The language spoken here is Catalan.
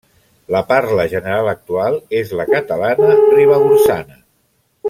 La parla general actual és la catalana ribagorçana.